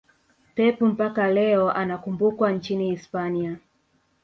pep mpaka leo anakumbukwa nchini hispania